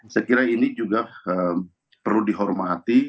saya kira ini juga perlu dihormati